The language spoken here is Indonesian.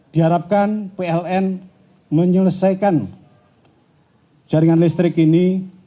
diharapkan pln menyelesaikan jaringan listrik ini